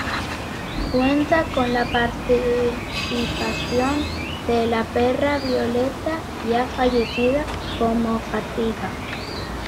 Cuenta con la participación de la perra Violeta, ya fallecida, como Fatiga.